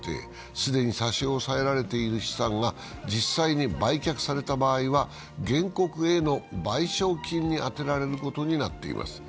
既に差し押さえられている資産が実際に売却された場合は原告への賠償金に充てられることになっています。